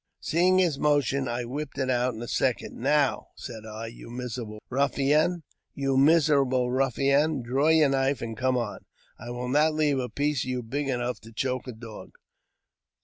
Seeing his motion, I whipped it out in a second. "Now," said I, "you miserable ruffian, draw your knife and come on ! I will not leave a piece of you big enough to choke a dog."